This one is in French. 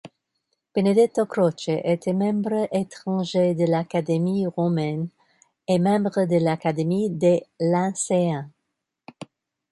Benedetto Croce était membre étranger de l'Académie roumaine et membre de l'Académie des Lyncéens.